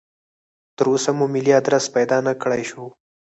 تراوسه مو ملي ادرس پیدا نکړای شو.